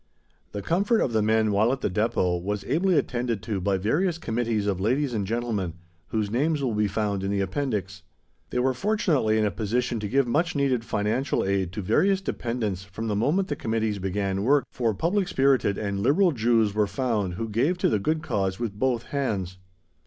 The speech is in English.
The comfort of the men while at the Depôt was ably attended to by various Committees of ladies and gentlemen, whose names will be found in the Appendix. They were fortunately in a position to give much needed financial aid to various dependents from the moment the Committees began work, for public spirited and liberal Jews were found who gave to the good cause with both hands.